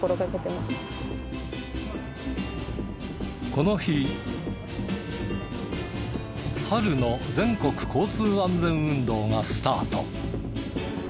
この日春の全国交通安全運動がスタート。